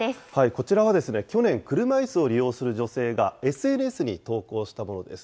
こちらは去年、車いすを利用する女性がＳＮＳに投稿したものです。